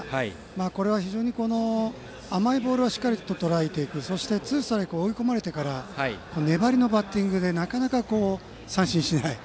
これは非常に甘いボールをしっかりとらえていくそしてツーストライクと追い込まれてから粘りのバッティングでなかなか三振しない。